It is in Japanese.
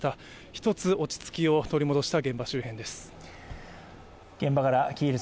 一つ、落ち着きを取り戻した現場周辺です。